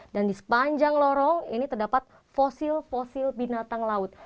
dan di sepanjang lorong ini terdapat fosil fosil binatang laut